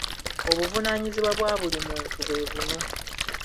Obuvunaanyizibwa bwa buli muntu bwebuno.